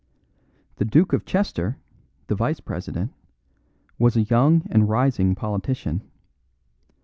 The Duke of Chester, the vice president, was a young and rising politician.